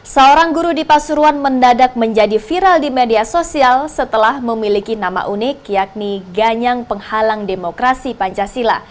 seorang guru di pasuruan mendadak menjadi viral di media sosial setelah memiliki nama unik yakni ganyang penghalang demokrasi pancasila